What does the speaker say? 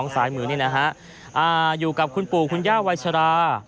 ซ้ายมือนี่นะฮะอยู่กับคุณปู่คุณย่าวัยชรา